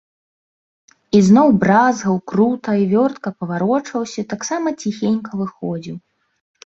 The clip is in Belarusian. Ізноў бразгаў, крута і вёртка паварочваўся і таксама ціхенька выходзіў.